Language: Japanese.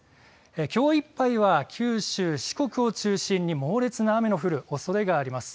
きょういっぱいは九州、四国を中心に猛烈な雨の降るおそれがあります。